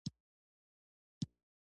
• ژړا د غمونو دروازه پرانیزي.